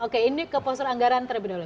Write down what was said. oke ini ke poster anggaran terlebih dahulu